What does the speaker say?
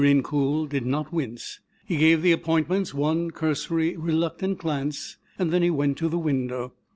Incoul did not wince. He gave the appointments one cursory, reluctant glance, and then went to the window.